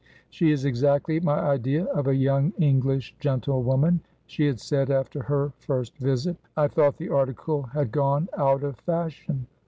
"She is exactly my idea of a young English gentlewoman," she had said after her first visit. "I thought the article had gone out of fashion.